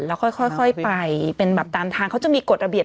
แล้วค่อยไปเป็นแบบตามทางเขาจะมีกฎระเบียบ